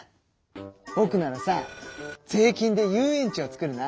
ぼくならさ税金で遊園地を作るな！